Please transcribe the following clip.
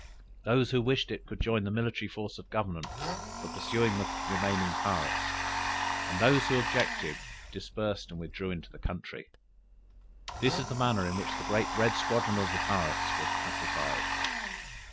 Those who wished it, could join the military force of Government for pursuing the remaining pirates; and those who objected, dispersed and withdrew into the country. "This is the manner in which the great red squadron of the pirates was pacified."